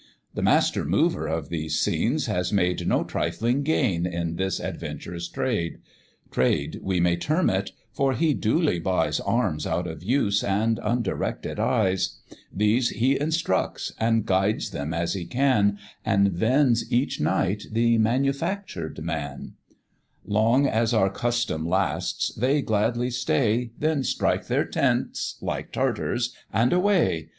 The master mover of these scenes has made No trifling gain in this adventurous trade; Trade we may term it, for he duly buys Arms out of use and undirected eyes: These he instructs, and guides them as he can, And vends each night the manufactured man: Long as our custom lasts they gladly stay, Then strike their tents, like Tartars! and away!